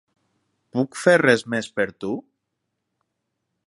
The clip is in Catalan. Puc fer res més per tu?